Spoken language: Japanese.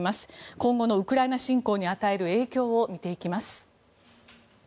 今後のウクライナ侵攻に与える影響を見ていきます。